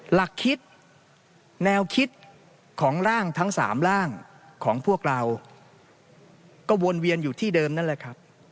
หลักคิดแนวคิดของร่างทั้ง๓ร่างของพวกเราก็วนเวียนอยู่ที่เดิมนั่นแหละครับ